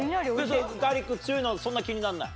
ガーリック強いのはそんな気にならない？